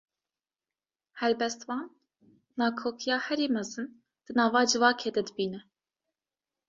Helbestvan, nakokiya herî mezin, di nava civakê de dibîne